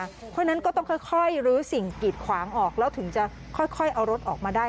เพราะฉะนั้นก็ต้องค่อยลื้อสิ่งกิดขวางออกแล้วถึงจะค่อยเอารถออกมาได้